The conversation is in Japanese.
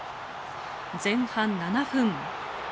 前半７分。